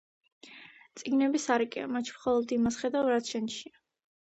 წიგნები სარკეა: მათში მხოლოდ იმას ხედავ, რაც შენშია